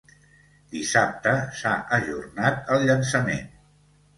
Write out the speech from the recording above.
Dissabte s’ha ajornat el llançament.